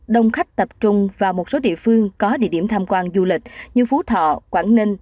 đông khách tập trung vào một số địa phương có địa điểm tham quan du lịch như phú thọ quảng ninh